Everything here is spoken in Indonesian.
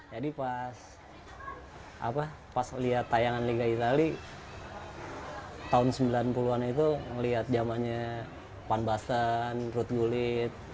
jadi pas lihat tayangan liga itali tahun sembilan puluh an itu melihat jamannya van basten ruth gullit